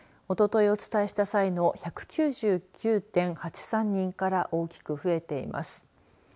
お伝えした際の１９９．８３人から大きく増えています。